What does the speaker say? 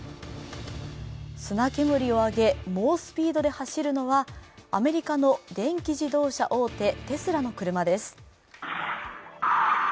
砂煙を上げ猛スピードで走るのはアメリカの電気自動車大手テスラの車です。